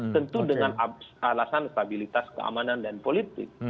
tentu dengan alasan stabilitas keamanan dan politik